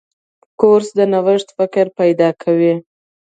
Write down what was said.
کورس د نوښت فکر پیدا کوي.